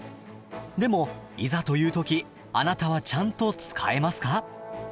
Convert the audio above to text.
でもいざという時あなたはちゃんと使えますか？